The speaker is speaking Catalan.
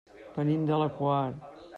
Venim de la Quar.